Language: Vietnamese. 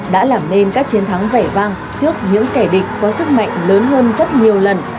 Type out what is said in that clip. đã làm nên các chiến thắng vẻ vang trước những kẻ địch có sức mạnh lớn hơn rất nhiều lần